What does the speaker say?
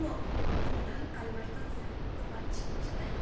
でも何かいまひとつロマンチックじゃないっていうか。